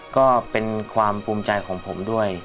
ก็เป็นความภูมิใจของผมด้วย